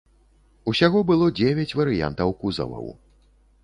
Усяго было дзевяць варыянтаў кузаваў.